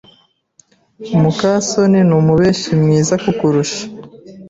muka soni numubeshyi mwiza kukurusha.